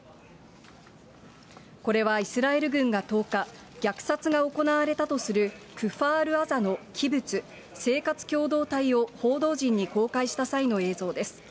これはイスラエル軍が１０日、虐殺が行われたとするクファール・アザのキブツ・生活共同体を報道陣に公開した際の映像です。